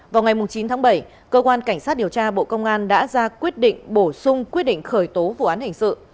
vào ngày chín tháng bảy cơ quan cảnh sát điều tra bộ công an đã ra quyết định bổ sung quyết định khởi tố vụ án hình sự